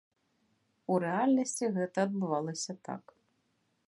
У рэальнасці гэта адбывалася так.